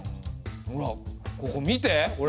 ほらここ見てこれ。